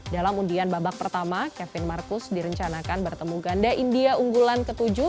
dalam undian babak pertama kevin marcus direncanakan bertemu ganda india unggulan ke tujuh